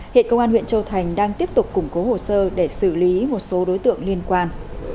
hiện công an huyện châu thành đang tiếp tục củng cố hồ sơ để xử lý một số đối tượng liên quan